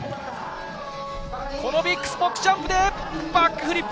ビッグボックスジャンプでバックフリップ。